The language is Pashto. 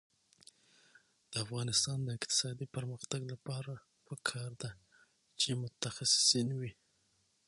د افغانستان د اقتصادي پرمختګ لپاره پکار ده چې متخصصین وي.